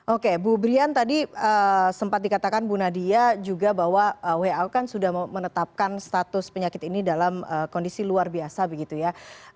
oke bu brian tadi sempat dikatakan bu nadia juga bahwa who kan sudah menetapkan status penyakit ini dalam kondisi luar biasa begitu ya